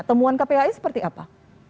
temuan kpai seperti apa